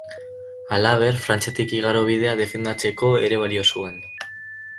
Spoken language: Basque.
Halaber, Frantziatik igarobidea defendatzeko ere balio zuen.